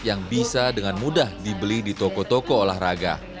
yang bisa dengan mudah dibeli di toko toko olahraga